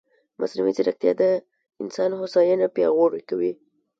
مصنوعي ځیرکتیا د انسان هوساینه پیاوړې کوي.